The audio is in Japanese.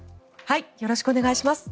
よろしくお願いします。